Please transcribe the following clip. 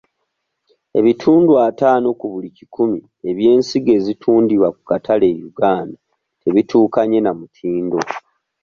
Ebitundu ataano ku buli kikumi eby'ensigo ezitundibwa ku katale e Uganda tebituukanye na mutindo.